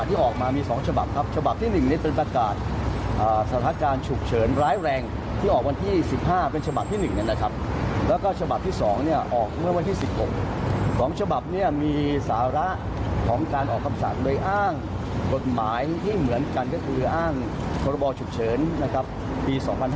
ตามมาตรา๔มาตรา๕แล้วก็ประกอบมาตรา๑๑นะครับ